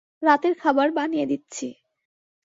রাতের খাবার বানিয়ে দিচ্ছি।